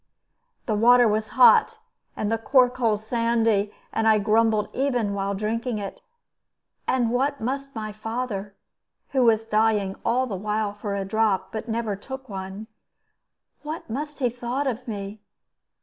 The water was hot and the cork hole sandy, and I grumbled even while drinking it; and what must my father (who was dying all the while for a drop, but never took one) what must he have thought of me?